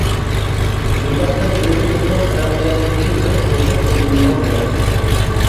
بۇنداقتا مىللىتىمىزنىڭ تەرەققىياتىدىكى بىر بوشلۇق تولدۇرۇلغان بولاتتى.